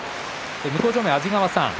向正面、安治川さん